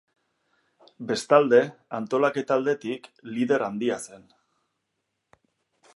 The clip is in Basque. Bestalde, antolaketa aldetik, lider handia zen.